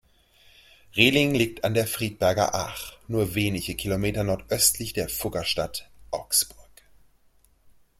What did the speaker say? Rehling liegt an der Friedberger Ach nur wenige Kilometer nordöstlich der Fuggerstadt Augsburg.